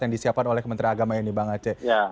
yang disiapkan oleh kementerian agama ini bang aceh